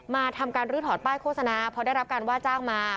มาทำการลื้อถอดป้ายโฆษณาพอได้รับการว่าจ้างมา